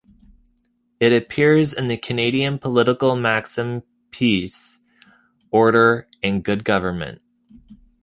It appears in the Canadian political maxim Peace, order and good government.